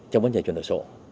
trong vấn đề chuyển đổi số